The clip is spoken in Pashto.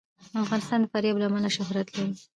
افغانستان د فاریاب له امله شهرت لري.